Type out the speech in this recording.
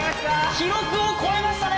記録を超えましたね。